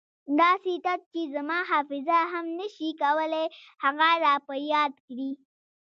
داسې تت چې زما حافظه هم نه شي کولای هغه را په یاد کړي.